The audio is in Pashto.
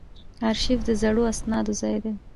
ارشیف د زړو اسنادو ځای دی